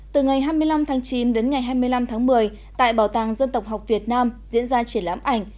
từ ngày hai mươi năm tháng chín đến ngày hai mươi năm tháng một mươi tại bảo tàng dân tộc học việt nam diễn ra triển lãm ảnh